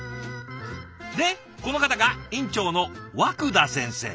でこの方が院長のわくだ先生。